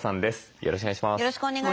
よろしくお願いします。